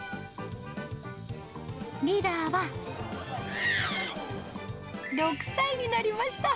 リラは、６歳になりました。